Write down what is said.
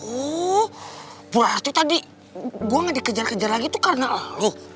oh berarti tadi gue gak dikejar kejar lagi tuh karena lu